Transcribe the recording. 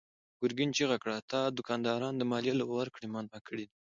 ګرګين چيغه کړه: تا دوکانداران د ماليې له ورکړې منع کړي دي.